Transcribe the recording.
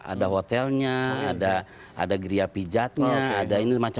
ada hotelnya ada griapijatnya ada ini macam macam